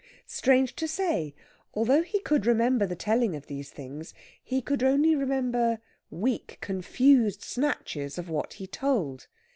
Strange to say, although he could remember the telling of these things, he could only remember weak, confused snatches of what he told.